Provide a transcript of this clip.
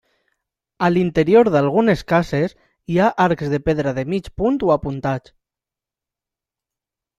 A l'interior d'algunes cases, hi ha arcs de pedra de mig punt o apuntats.